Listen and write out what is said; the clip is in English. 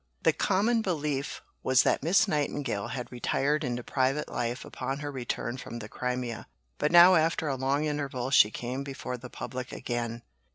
The common belief was that Miss Nightingale had retired into private life upon her return from the Crimea; but now after a long interval she came before the public again.